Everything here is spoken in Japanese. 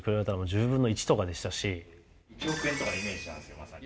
１億円とかのイメージなんですよまさに。